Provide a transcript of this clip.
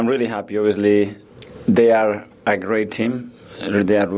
membuat hidupnya sangat sulit untuk anda